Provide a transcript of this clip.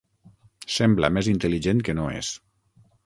Sembla més intel·ligent que no és.